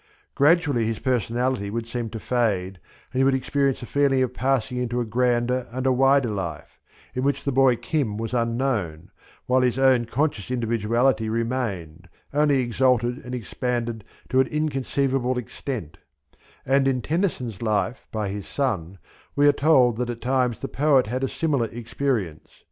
Gradually his personality would seem to fade and he would experience a feeling of passing into a grander and a wider life, in which the boy Kim was unknown, while his own conscious individuality remained, only exalted and expanded to an inconceivable extent; and in Tennyson's life by his son we are told that at times the poet had a similar experience.